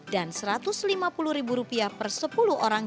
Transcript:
dan rp satu ratus lima puluh per sepuluh orang